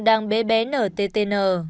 đang bé bé nttn